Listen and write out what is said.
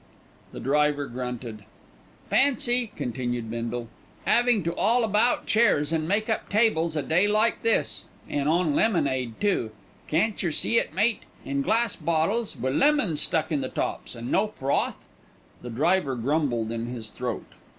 The driver grunted. "Fancy," continued Bindle, "'avin' to 'aul about chairs and make up tables a day like this, an' on lemonade too. Can't yer see it, mate, in glass bottles wi' lemons stuck in the tops and no froth?" The driver grumbled in his throat.